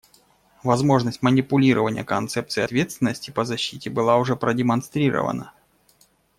Возможность манипулирования концепцией ответственности по защите была уже продемонстрирована.